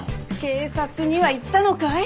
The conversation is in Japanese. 警察には言ったのかい？